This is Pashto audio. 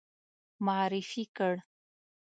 معرفي کړ.